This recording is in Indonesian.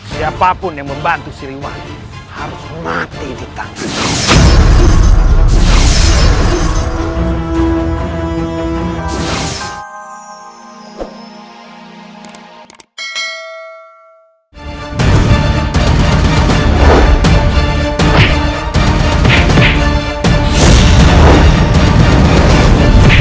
siapapun yang membantu si rewan harus mati di tangan